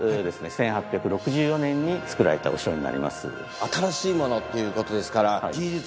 １８６４年に造られたお城になります。